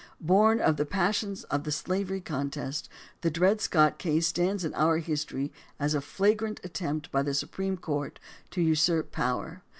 Born of the passions of the slavery contest, the Dred Scott case stands in our history as a flagrant attempt by the Su preme Court to usurp power.